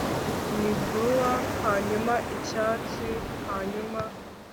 ni bluer hanyuma icyatsi hanyuma